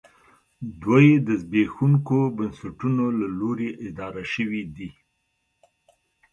دوی د زبېښونکو بنسټونو له لوري اداره شوې دي